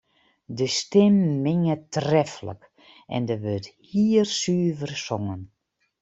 De stimmen minge treflik en der wurdt hiersuver songen.